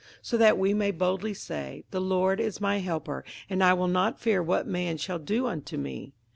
58:013:006 So that we may boldly say, The Lord is my helper, and I will not fear what man shall do unto me.